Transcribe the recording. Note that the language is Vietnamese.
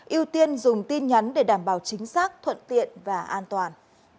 ưu tiên dùng tin nhắn để đảm bảo chính xác thuận tiện và an toàn